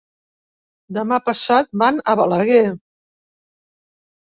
Demà passat van a Balaguer.